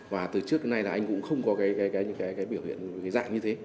và từ trước đến nay là anh cũng không có những biểu hiện dạng như thế